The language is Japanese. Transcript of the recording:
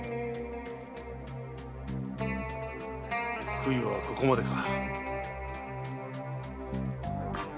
杭はここまでか。